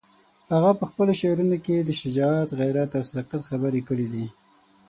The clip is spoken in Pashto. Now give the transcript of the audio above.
هغه په خپلو شعرونو کې د شجاعت، غیرت او صداقت خبرې کړې دي.